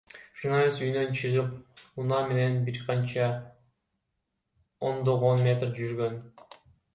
Журналист үйүнөн чыгып, унаа менен бир канча ондогон метр жүргөн.